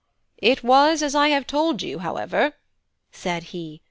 "It was as I have told you, however," said he.